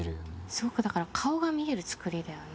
すごくだから顔が見える造りだよね。